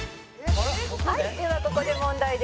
「はいではここで問題です」